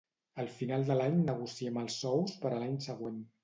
Al final de l'any negociem els sous per a l'any següent.